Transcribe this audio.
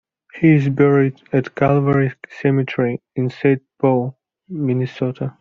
He is buried at Calvary Cemetery in Saint Paul, Minnesota.